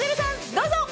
どうぞ！